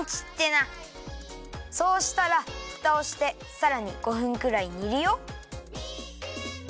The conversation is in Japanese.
そうしたらフタをしてさらに５分くらい煮るよ。